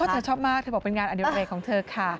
เธอชอบมากเธอบอกเป็นงานอดิเรกของเธอค่ะ